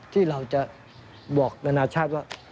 ที่เราจะบอกนานาชาติว่า